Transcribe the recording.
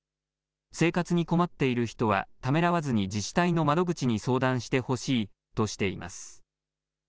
生活に困っている人はためらわずに自治体の窓口に相談してほしいとしています。